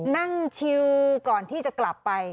นั่งชิวก่อนที่จะกลับไป